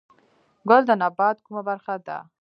ګل د نبات کومه برخه ده؟